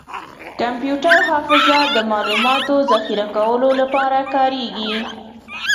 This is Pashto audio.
کمپیوټر حافظه د معلوماتو ذخیره کولو لپاره کارېږي.